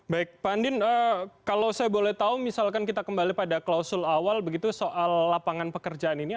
baik pak andin kalau saya boleh tahu misalkan kita kembali pada klausul awal begitu soal lapangan pekerjaan ini